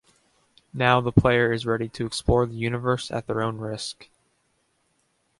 Now the player is ready to explore the universe at their own risk.